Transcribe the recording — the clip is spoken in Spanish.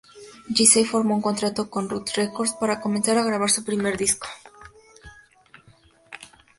Jessie firmó un contrato con Gut Records para comenzar a grabar su primer disco.